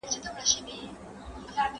هسي نه چي یوه ورځ به له خپل سیوري سره ورک سې